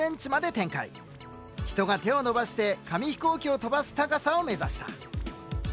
人が手を伸ばして紙飛行機を飛ばす高さを目指した。